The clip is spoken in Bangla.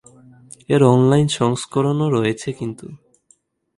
এর অনলাইন সংস্করণও রয়েছে।